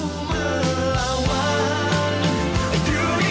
apa yang kita jalan dihubungi